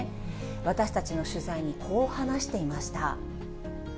私たちの取材にこう話していました。